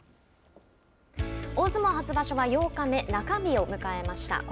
大相撲初場所は８日目中日を迎えました。